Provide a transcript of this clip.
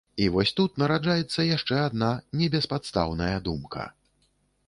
І вось тут нараджаецца яшчэ адна, небеспадстаўная думка.